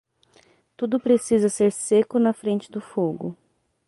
Tudo precisa ser seco na frente do fogo.